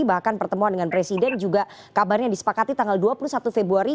bahkan pertemuan dengan presiden juga kabarnya disepakati tanggal dua puluh satu februari